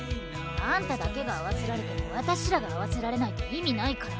あんただけが合わせられても私らが合わせられないと意味ないから。